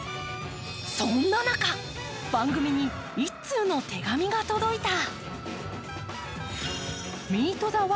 そんな中、番組に１通の手紙が届いた。